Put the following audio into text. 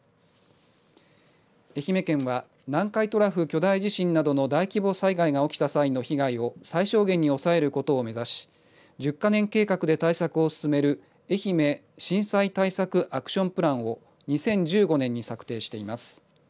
愛媛県は南海トラフ巨大地震などの大規模災害が起きた際の被害を最小限に抑えることを目指し１０か年計画で対策を進めるえひめ震災対策アクションプランを２０１５年に策定しています。